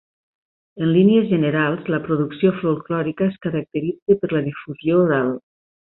En línies generals, la producció folklòrica es caracteritza per la difusió oral.